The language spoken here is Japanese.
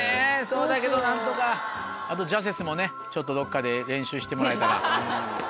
そうだけど何とかあとジャセスもねちょっとどっかで練習してもらえたら。